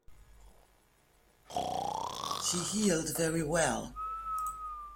She healed very well.